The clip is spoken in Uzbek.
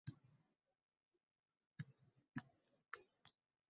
Uy egalari ochiq ko`ngil odamlar ekan